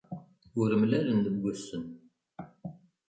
Ur mlalen deg wass-n.